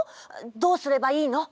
どうすればいいの？